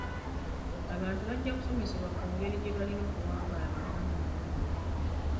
Abantu bajja kusomesebwa ku ngeri gye balina okuwangaala mu bulamu obulungi.